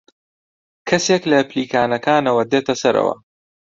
کەسێک لە پلیکانەکانەوە دێتە سەرەوە.